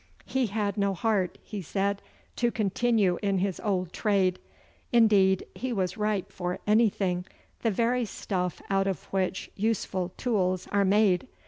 He had no heart, he said, to continue in his old trade. Indeed, he was ripe for anything the very stuff out of which useful tools are made.